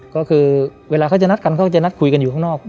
ก็คือเวลาเขาจะนัดกันเขาก็จะนัดคุยกันอยู่ข้างนอก